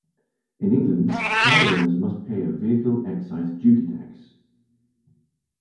In England, car owners must pay a vehicle excise duty tax.